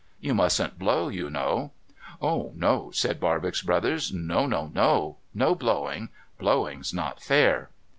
You mustn't blow, you know.' * Oh no,' said Barbox Brothers. ' No, no, no. No blowing. Blowing's not fair.'